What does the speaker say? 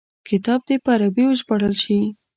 کتاب دي په عربي وژباړل شي.